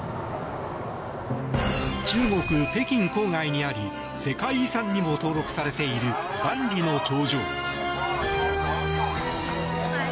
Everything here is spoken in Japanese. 中国・北京郊外にあり世界遺産にも登録されている万里の長城。